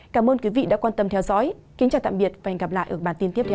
cảm ơn quý vị đã quan tâm theo dõi kính chào tạm biệt và hẹn gặp lại ở bản tin tiếp theo